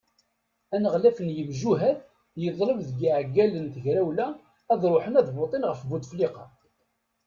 Aneɣlaf n yemjuhad yeḍleb deg iɛeggalen n tegrawla ad ṛuḥen ad votin ɣef Butefliqa.